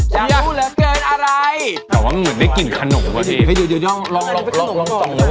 ใจกลุ่นหรือเกินอะไรหน่อยมึงมีกลิ่นขนมพี่ช่วยกลั๊งลองลอง